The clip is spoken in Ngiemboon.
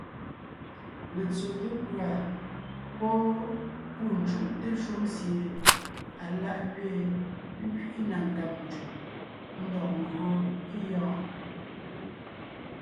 Letsóte pʉ̀a pɔ́ pû cúʼte shúm sie alá’ gẅeen, ńkẅiʼi na nkáb ncùb, ńdɔg ńgÿo é gyɔ́ɔn.